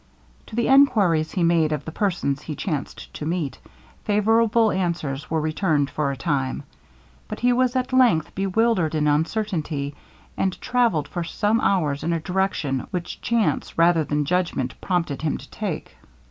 To the enquiries he made of the persons he chanced to meet, favorable answers were returned for a time, but he was at length bewildered in uncertainity, and travelled for some hours in a direction which chance, rather than judgment, prompted him to take.